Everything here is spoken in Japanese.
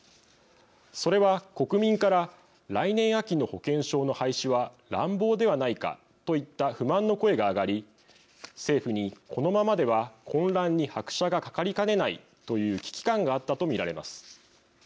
それは、国民から来年秋の保険証の廃止は乱暴ではないかといった不満の声が上がり政府にこのままでは混乱に拍車がかかりかねないという危機感があったと見られます。